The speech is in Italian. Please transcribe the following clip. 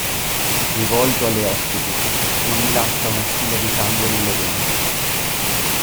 Rivolto alle ospiti: – Non mi lascia una stilla di sangue nelle vene.